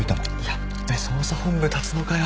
ヤッベ捜査本部立つのかよ。